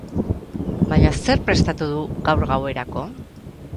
Baina zer prestatu du gaur gauerako?